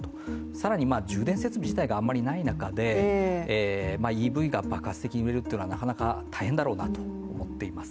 更に、充電設備自体があまりない中でＥＶが爆発的に売れるというのはなかなか大変だろうなと思っています。